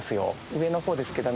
上の方ですけど。